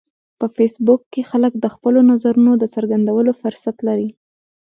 په فېسبوک کې خلک د خپلو نظرونو د څرګندولو فرصت لري